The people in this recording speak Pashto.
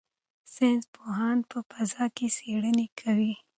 ساینس پوهان په فضا کې څېړنې کوي.